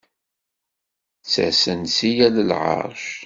Ttasen-d si yal lɛeṛc.